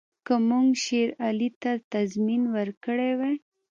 که موږ شېر علي ته تضمین ورکړی وای.